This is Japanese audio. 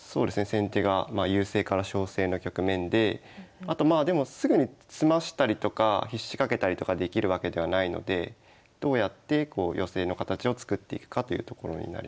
先手が優勢から勝勢の局面であとまあでもすぐに詰ましたりとか必至かけたりとかできるわけではないのでどうやって寄せの形を作っていくかというところになります。